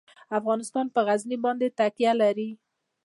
افغانستان په غزني باندې تکیه لري.